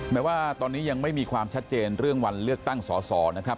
แม้ว่าตอนนี้ยังไม่มีความชัดเจนเรื่องวันเลือกตั้งสอสอนะครับ